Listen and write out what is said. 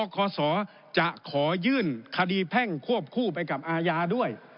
คศจะขอยื่นคดีแพ่งควบคู่ไปกับอาญาด้วย